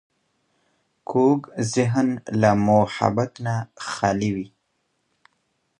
کوږ ذهن له محبت نه خالي وي